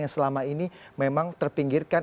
yang selama ini memang terpinggirkan